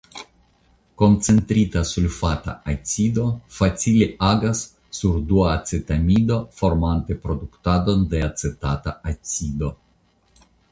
Koncentrita sulfata acido facile agas sur duacetamido formante produktadon de acetata acido.